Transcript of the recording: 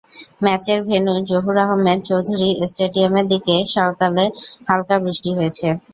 ম্যাচের ভ্যেনু জহুর আহমেদ চৌধুরী স্টেডিয়ামের দিকেও সকালে হালকা বৃষ্টি হয়েছে।